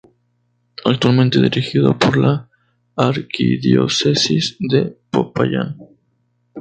Actualmente dirigido por la Arquidiócesis de Popayán.